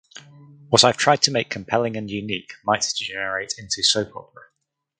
What I’ve tried to make compelling and unique might degenerate into soap opera.